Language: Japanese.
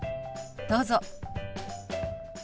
どうぞ。